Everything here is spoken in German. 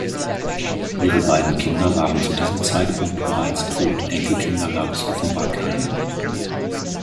Ihre beiden Kinder waren zu diesem Zeitpunkt bereits tot, Enkelkinder gab es offenbar keine.